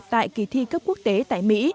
tại kỳ thi cấp quốc tế tại mỹ